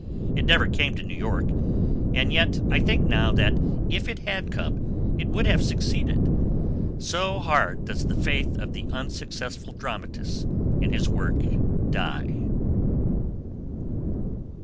It never came to New York; and yet I think now that if it had come, it would have succeeded. So hard does the faith of the unsuccessful dramatist in his work die.